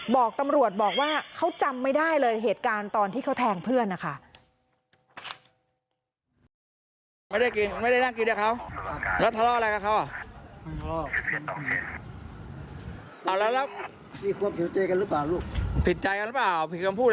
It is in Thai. บอกตำรวจบอกว่าเขาจำไม่ได้เลยเหตุการณ์ตอนที่เขาแทงเพื่อนนะคะ